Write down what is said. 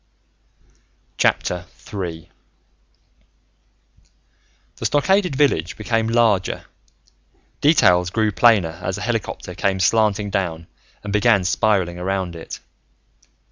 III The stockaded village became larger, details grew plainer, as the helicopter came slanting down and began spiraling around it.